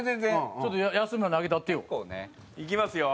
ちょっと安村投げたってよ。いきますよ。